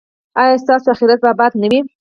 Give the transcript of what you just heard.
ایا ستاسو اخرت به اباد نه وي؟